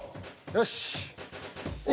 よし。